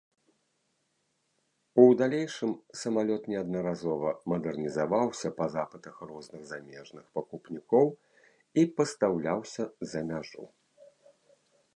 У далейшым самалёт неаднаразова мадэрнізаваўся па запытах розных замежных пакупнікоў і пастаўляўся за мяжу.